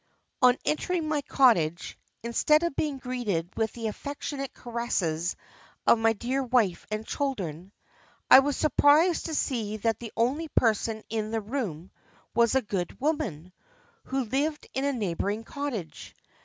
On entering my cottage, instead of being greeted with the affectionate caresses of my dear wife and children, I was surprised to see that the only person in the room was a good woman, who lived in a neighbouring cottage.